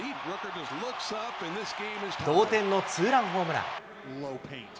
同点のツーランホームラン。